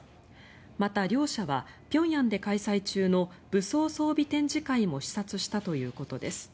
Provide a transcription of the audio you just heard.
また、両者は平壌で開催中の武装装備展示会も視察したということです。